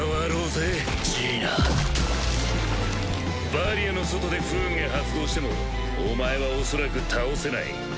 バリアの外で不運が発動してもお前はおそらく倒せない。